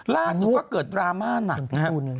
ล่าสุดก็เกิดดราม่าหนักนะครับ